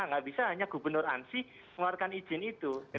tidak bisa hanya gubernur ansi mengeluarkan izin itu